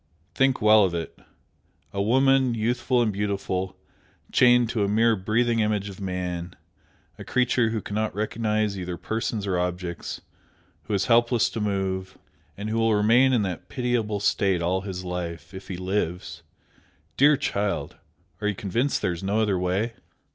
Think well of it! a woman, youthful and beautiful, chained to a mere breathing image of man, a creature who cannot recognise either persons or objects, who is helpless to move, and who will remain in that pitiable state all his life, if he lives! dear child, are you convinced there is no other way?"